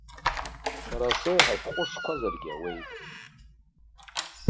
Сара сеиҳа шәҟәышқәазаргьы ауеит.